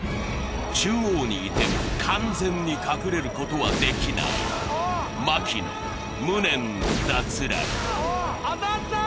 中央にいても完全に隠れることはできない槙野無念の脱落当たった！